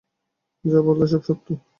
যা বলতেন, সব সত্য।